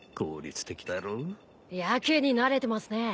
やけに慣れてますね。